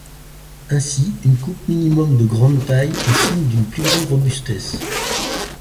Ainsi une coupe minimum de grande taille est signe d'une plus grande robustesse.